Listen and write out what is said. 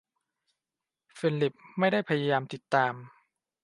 ฟิลิปไม่ได้พยายามติดตาม